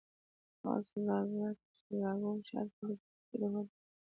هغه سوداګر په شيکاګو ښار کې د پاتې کېدو هوډ وکړ.